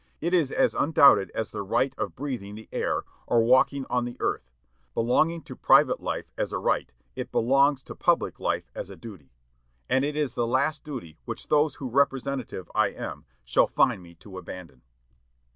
It is as undoubted as the right of breathing the air, or walking on the earth. Belonging to private life as a right, it belongs to public life as a duty; and it is the last duty which those whose representative I am shall find me to abandon."